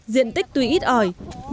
diện tích tuy ít ỏi nhưng